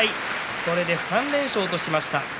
これで３連勝としました。